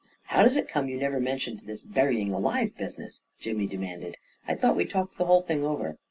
" How does it come you never mentioned this burying alive business?" Jimmy demanded. " I thought we talked the whole thing over."